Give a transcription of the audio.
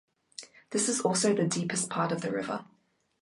This is also the deepest part of the river.